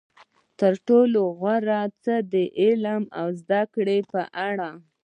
تر ټولو غوره څه د علم او زده کړې په اړه.